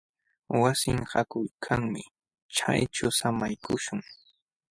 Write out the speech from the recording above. Wasin haakuykanmi. Chayćhu samaykuśhun.